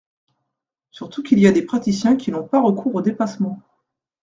Surtout qu’il y a des praticiens qui n’ont pas recours aux dépassements.